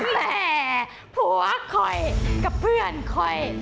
แม่ผัวข่อยกับเพื่อนข่อย